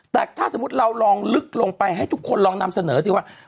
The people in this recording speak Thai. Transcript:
แต่ถ้าสมมุติเราลองลึกลงไปให้ทุกคนลองนำเสนอสิว่า